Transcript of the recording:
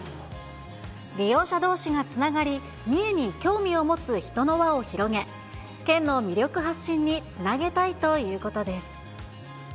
利用者どうしがつながり、三重に興味を持つ人の輪を広げ、県の魅力発信につなげたいということです。